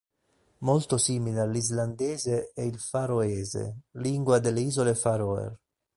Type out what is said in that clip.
Molto simile all'islandese è il faroese, lingua delle Isole Fær Øer.